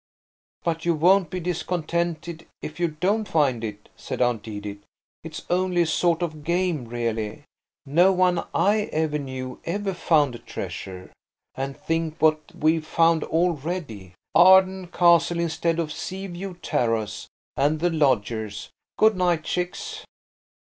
"But you won't be discontented if you don't find it," said Aunt Edith. "It's only a sort of game really. No one I ever knew ever found a treasure. And think what we've found already! Arden Castle instead of Sea View Terrace–and the lodgers. Good night, chicks."